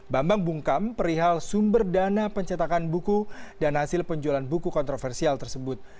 bambang bungkam perihal sumber dana pencetakan buku dan hasil penjualan buku kontroversial tersebut